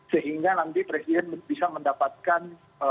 sehingga nanti presiden bisa mendapatkan